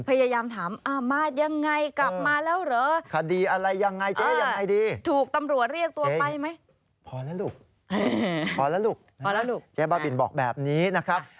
พยายามถามมายังไงกลับมาแล้วเหรอ